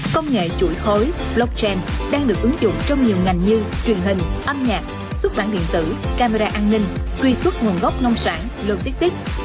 công nghệ chuỗi khối blockchain đang được ứng dụng trong nhiều ngành như truyền hình âm nhạc xuất bản điện tử camera an ninh truy xuất nguồn gốc nông sản logistic